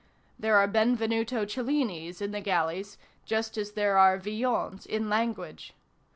There are Benvenuto Cellinis in the galleys, just as there are Villons in language.